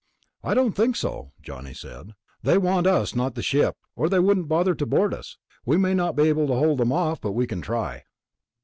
"I don't think so," Johnny said. "They want us, not the ship, or they wouldn't bother to board us. We may not be able to hold them off, but we can try."